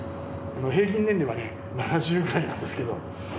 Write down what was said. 平均年齢はね７０くらいなんですけど。